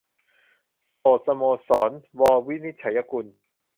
โสดสโมสร - ว วินิจฉัยกุล